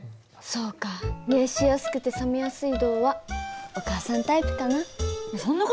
そうか熱しやすくて冷めやすい銅はお母さんタイプかな。